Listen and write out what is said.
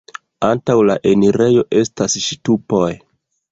Antaŭ la enirejo estas ŝtupoj.